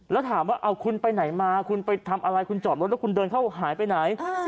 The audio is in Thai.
แล้วถามว่าเอาคุณไปไหนมาคุณไปทำอะไรคุณจอดรถแล้วคุณเดินเข้าหายไปไหน